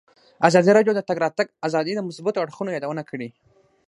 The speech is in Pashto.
ازادي راډیو د د تګ راتګ ازادي د مثبتو اړخونو یادونه کړې.